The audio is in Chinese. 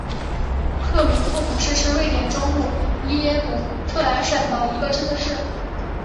克鲁库姆市是瑞典中部耶姆特兰省的一个自治市。